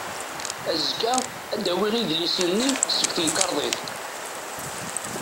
Azekka ad d-awiɣ idlisen-nni seg temkerḍit.